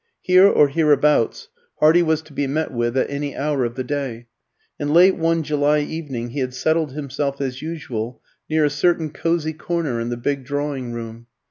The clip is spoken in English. Here or hereabouts Hardy was to be met with at any hour of the day; and late one July evening he had settled himself, as usual, near a certain "cosy corner" in the big drawing room.